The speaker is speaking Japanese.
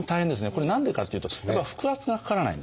これ何でかっていうとやっぱ腹圧がかからないんですね。